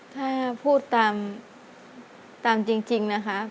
ถ้าพูดตามจริงนะคะ